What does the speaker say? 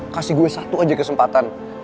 kasih gue satu aja kesempatan